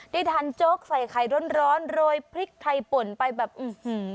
ได้ทานโจ๊กใส่ไข่ร้อนร้อนโรยพริกไทยป่นไปแบบอื้อหือ